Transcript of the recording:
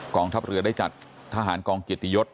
งทัพเรือได้จัดทหารกองเกียรติยศ